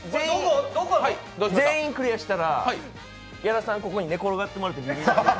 全員クリアしたら、矢田さんにここに寝転がってもらって。